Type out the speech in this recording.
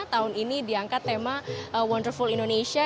tahun ini diangkat tema wonderful indonesia